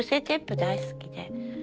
テープ大好きで。